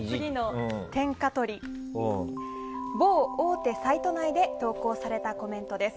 某大手サイト内で投稿されたコメントです。